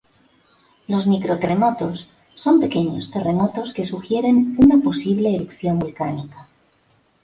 Los micro terremotos son pequeños terremotos que sugieren una posible erupción volcánica.